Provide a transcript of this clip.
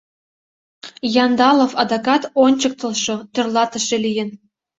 Яндалов адакат ончыктылшо, тӧрлатыше лийын.